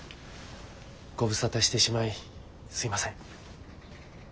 ご無沙汰してしまいすいません。